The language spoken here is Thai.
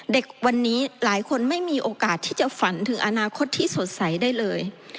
เด็กวันนี้หลายคนไม่มีโอกาสที่จะฝันถึงอนาคตที่สดใสได้เลย